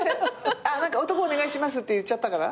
「おとこお願いします」って言っちゃったから？